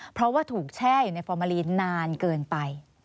เพราะว่าถูกแช่อยู่ในฟอร์มาลีนนานเกินไป